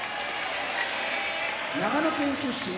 長野県出身